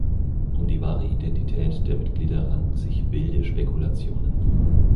Um die wahre Identität der Mitglieder ranken sich wilde Spekulationen.